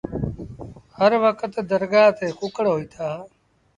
هر وکت درگآه تي ڪُڪڙهوئيٚتآ۔